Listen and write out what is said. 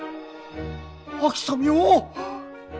あきさみよ。